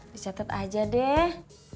dicatat aja deh